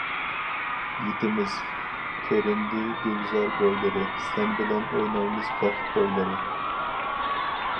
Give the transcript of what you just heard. يېتىمىز، كۆرۈندى گۈلزار بويلىرى، سەن بىلەن ئوينايمىز بەخت تويلىرى.